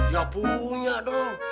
ya punya dong